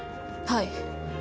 はい。